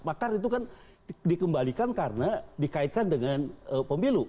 makar itu kan dikembalikan karena dikaitkan dengan pemilu